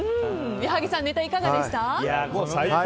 矢作さんネタはいかがでしたか。